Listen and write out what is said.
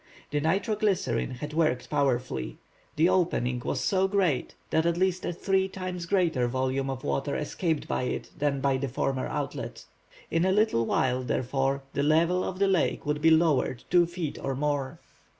The nitro glycerine had worked powerfully. The opening was so great that at least a three times greater volume of water escaped by it than by the former outlet. In a little while, therefore, the level of the lake would be lowered two feet or more.